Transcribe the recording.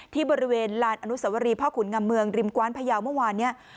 ที่บริเวณลานอนุสวรีพ่อขุนงำเมืองริมกว้านพยาวเมื่อวานเนี่ย